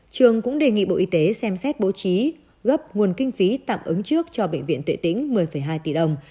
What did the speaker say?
trường cũng đề nghị bộ y tế xem xét bố trí gấp nguồn kinh phí tạm ứng trước cho bệnh viện tuệ tĩnh một mươi hai tỷ đồng